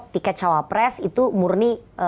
tiket cawapres itu murni